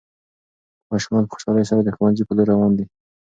ماشومان په خوشحالۍ سره د ښوونځي په لور روان دي.